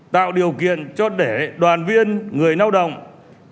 tạo điều kiện cho đệ đoàn viên người nâu đồng tổ chức công đoàn